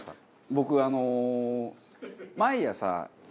僕あの。